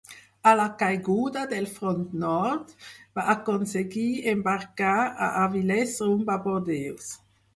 A la caiguda del front nord, va aconseguir embarcar a Avilés rumb a Bordeus.